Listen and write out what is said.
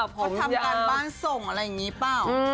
เขาทำการบ้านส่งอะไรอย่างนี้เปล่า